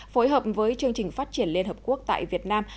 phối hợp với chương trình phát triển liên hợp quốc tại việt nam